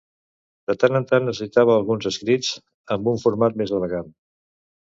De tant en tant necessitava alguns escrits amb un format més elegant.